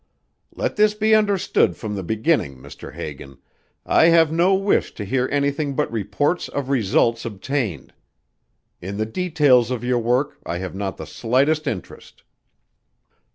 "Let this be understood from the beginning, Mr. Hagan, I have no wish to hear anything but reports of results obtained. In the details of your work I have not the slightest interest."